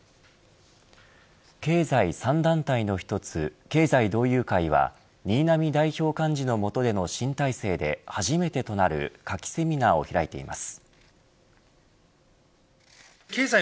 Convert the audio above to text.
経済３団体の１つ経済同友会は新浪代表幹事の下での新体制で初めてとなる夏季セミナーを開いています。